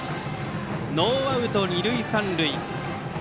ノーアウト二塁三塁。